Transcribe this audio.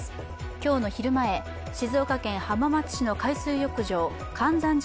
今日の昼前、静岡県浜松市の海水浴場・かんざんじ